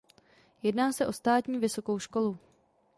Jedná se o státní vysokou školu.